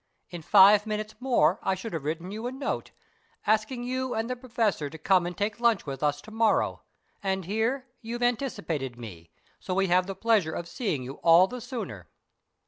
In five minutes more I should have written you a note, asking you and the Professor to come and take lunch with us to morrow, and here you've anticipated me, so we have the pleasure of seeing you all the sooner."